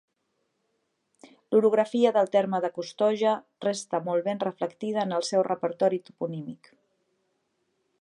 L'orografia del terme de Costoja resta molt ben reflectida en el seu repertori toponímic.